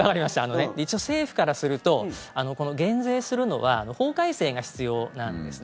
政府からすると減税するのは法改正が必要なんです。